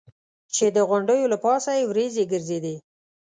چې د غونډیو له پاسه یې ورېځې ګرځېدې.